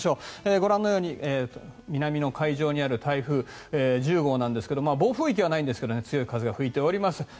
ご覧のように南の海上にある台風１０号ですが暴風域はないんですが強い風が吹いております。